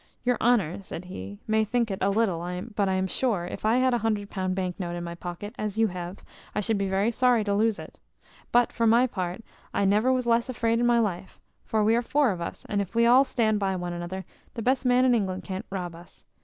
"Your honour," said he, "may think it a little, but I am sure, if I had a hundred pound bank note in my pocket, as you have, I should be very sorry to lose it; but, for my part, I never was less afraid in my life; for we are four of us, and if we all stand by one another, the best man in England can't rob us.